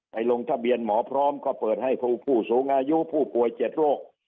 ลงทะเบียนหมอพร้อมก็เปิดให้ผู้สูงอายุผู้ป่วย๗โรค